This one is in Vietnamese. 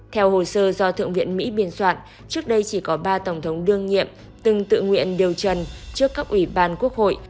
theo hồ sơ do thượng viện mỹ biên soạn trước đây chỉ có ba tổng thống đương nhiệm từng tự nguyện điều trần trước các ủy ban quốc hội